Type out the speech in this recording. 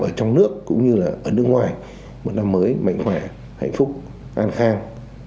ở trong nước cũng như là ở nước ngoài một năm mới mạnh khỏe hạnh phúc an khang